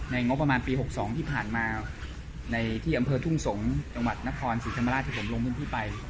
งบประมาณปี๖๒ที่ผ่านมาในที่อำเภอทุ่งสงศ์จังหวัดนครศรีธรรมราชที่ผมลงพื้นที่ไป